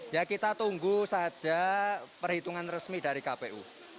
ya kita tunggu saja perhitungan resmi dari kpu